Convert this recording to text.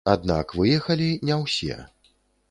Аднак выехалі не ўсё.